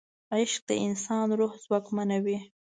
عشق د انسان روح ځواکمنوي.